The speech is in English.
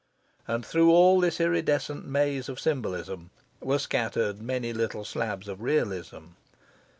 And through all this iridescent maze of symbolism were scattered many little slabs of realism.